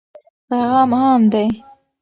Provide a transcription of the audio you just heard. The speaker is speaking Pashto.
پیغام عام دی.